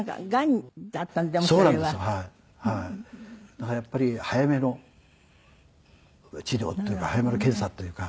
だからやっぱり早めの治療っていうか早めの検査というか。